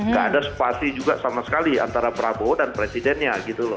gak ada spasi juga sama sekali antara prabowo dan presidennya gitu loh